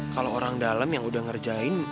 kalau orang dalam yang udah ngerjain